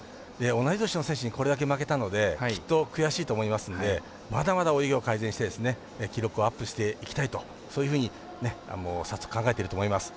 同い年の選手にこれだけ負けたのできっと悔しいと思いますんでまだまだ泳ぎを改善して記録をアップしていきたいとそういうふうに早速考えてると思います。